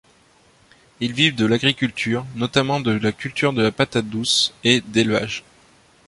Ils vivent de l'agriculture, notamment de la culture de la patate douce, et d'élevage.